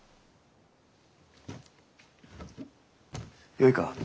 よいか